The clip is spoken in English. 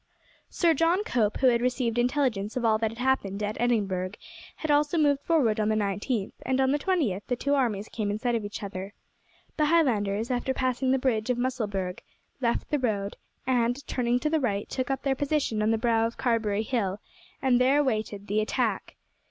Sir John Cope, who had received intelligence of all that had happened at Edinburgh, had also moved forward on the 19th, and on the 20th the two armies came in sight of each other. The Highlanders, after passing the bridge of Musselburgh, left the road, and turning to the right took up their position on the brow of Carberry Hill, and there waited the attack.